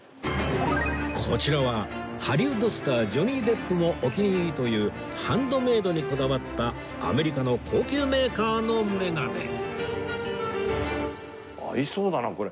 こちらはハリウッドスタージョニー・デップもお気に入りというハンドメイドにこだわったアメリカの高級メーカーのメガネ合いそうだなこれ。